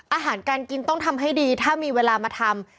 อาหารการกินต้องทำให้ดีถ้ามีเวลามาทำ